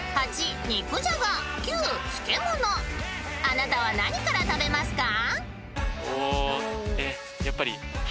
［あなたは何から食べますか？］